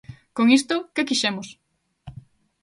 Con isto ¿que quixemos?